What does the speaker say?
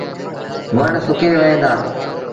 وڻ سُڪي وهيݩ دآ۔